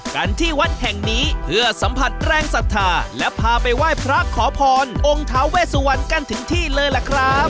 กันที่วัดแห่งนี้เพื่อสัมผัสแรงศรัทธาและพาไปไหว้พระขอพรองค์ท้าเวสวันกันถึงที่เลยล่ะครับ